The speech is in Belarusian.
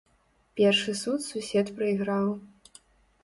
Першы суд сусед прайграў.